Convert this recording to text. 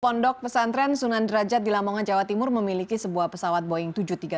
pondok pesantren sunan derajat di lamongan jawa timur memiliki sebuah pesawat boeing tujuh ratus tiga puluh